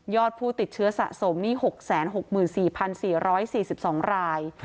ผู้ติดเชื้อสะสมนี่๖๖๔๔๔๔๒ราย